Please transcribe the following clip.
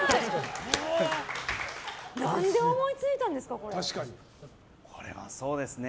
何で思いついたんですか、これ。